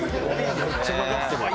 「めっちゃかかってる」